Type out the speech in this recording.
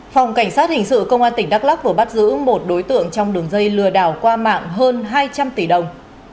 phòng cảnh sát hình sự công an tỉnh đắk lắc vừa bắt giữ một đối tượng trong đường dây lừa đảo qua mạng hơn hai trăm linh tỷ đồng